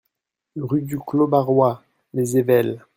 Rue du Clos Barrois, Les Ayvelles